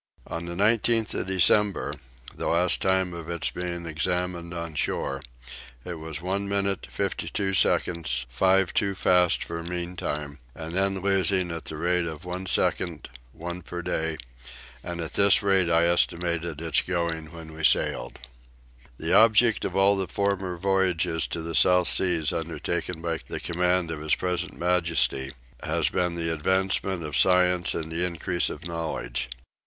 On the 19th of December, the last time of its being examined on shore, it was 1 minute 52 seconds, 5 too fast for meantime, and then losing at the rate of 1 second, 1 per day; and at this rate I estimate its going when we sailed. The object of all the former voyages to the South Seas undertaken by the command of his present majesty, has been the advancement of science and the increase of knowledge.